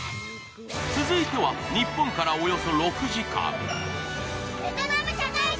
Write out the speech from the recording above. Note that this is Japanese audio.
続いては、日本からおよそ６時間